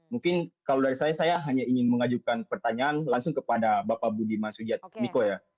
mungkin kalau dari saya saya hanya ingin mengajukan pertanyaan langsung kepada bapak budi mas ujat miko ya